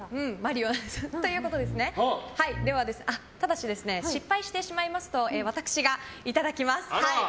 ただし、失敗してしまうと私がいただきます。